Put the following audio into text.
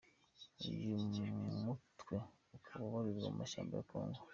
Uyu mutwe ukaba ubarizwa mu mashyamba ya Congo.